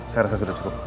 saya rasa sudah cukup